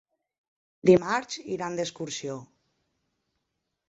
Dimarts iran d'excursió.